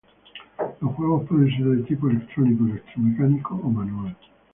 Los juegos pueden ser de tipo: electrónico, electromecánico o manual.